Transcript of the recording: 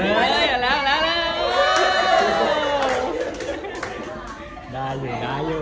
ไม่ได้